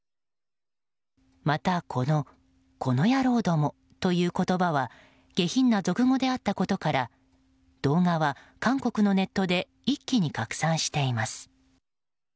また、このこの野郎どもという言葉は下品な俗語であったことから動画は韓国のネットで一気に拡散しています。